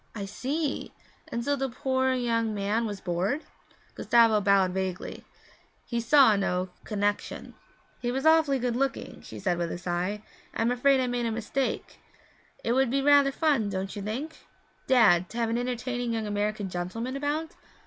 'I see! And so the poor young man was bored?' Gustavo bowed vaguely. He saw no connexion. 'He was awfully good looking,' she added with a sigh. 'I'm afraid I made a mistake. It would be rather fun, don't you think, Dad, to have an entertaining young American gentleman about?'